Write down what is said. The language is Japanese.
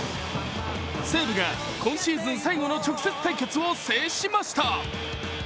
西武が今シーズン最後の直接対決を制しました。